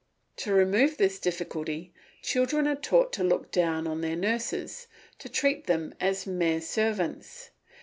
To remove this difficulty, children are taught to look down on their nurses, to treat them as mere servants.